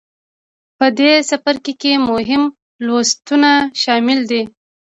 په دې څپرکې کې مهم لوستونه شامل دي.